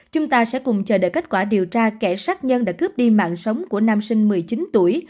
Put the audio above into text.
chúng ta sẽ cùng chờ đợi kết quả điều tra kẻ sát nhân đã cướp đi mạng sống của nam sinh một mươi chín tuổi